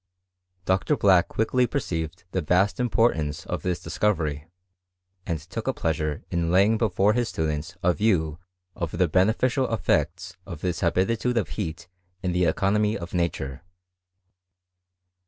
Dr. Black quickly perceived the vast importance of this discovery, and took a pleasure in laying before his students a view of the beneficial effects of this ha bitude of heat in the economy of nature.